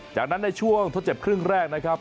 จากนั้นในช่วงทดเจ็บครึ่งแรกนะครับ